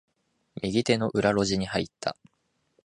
右手の裏路地に入った。